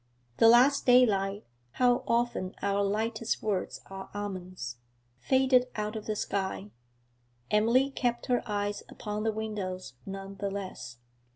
The last daylight how often our lightest words are omens! faded out of the sky. Emily kept her eyes upon the windows none the less.